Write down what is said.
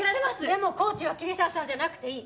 でもコーチは桐沢さんじゃなくていい。